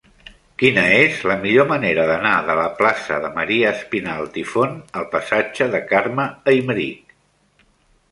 Quina és la millor manera d'anar de la plaça de Maria Espinalt i Font al passatge de Carme Aymerich?